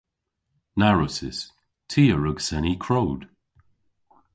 Na wrussys. Ty a wrug seni krowd.